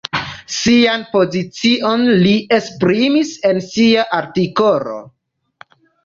Sian pozicion li esprimis en sia artikolo.